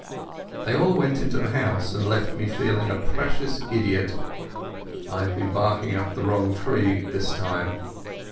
They all went into the house, and left me feeling a precious idiot. I had been barking up the wrong tree this time.